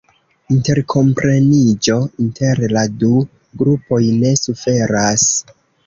Interkompreniĝo inter la du grupoj ne suferas.